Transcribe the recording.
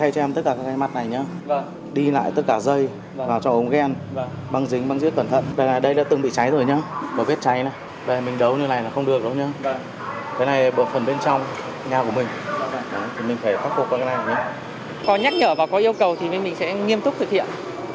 còn nhắc nhở và có yêu cầu thì mình sẽ nghiêm túc thực hiện theo yêu cầu của các đơn vị cơ quan chức năng